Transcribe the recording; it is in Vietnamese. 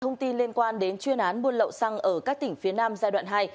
thông tin liên quan đến chuyên án buôn lậu xăng ở các tỉnh phía nam giai đoạn hai